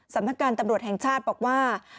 สำนักการตำรวจแห่งชาติบอกว่า